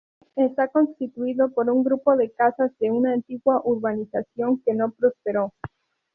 Está constituido por un grupo de casas de una antigua urbanización que no prosperó.